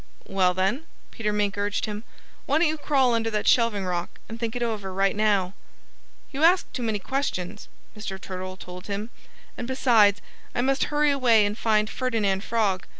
"Well, then," Peter Mink urged him, "why don't you crawl under that shelving rock and think it over right now?" "You ask too many questions," Mr. Turtle told him. "And besides, I must hurry away and find Ferdinand Frog.